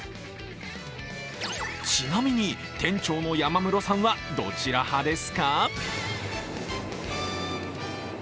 ちなみに店長の山室さんはどちら派ですか？